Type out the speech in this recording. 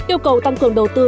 yêu cầu tăng cường đầu tư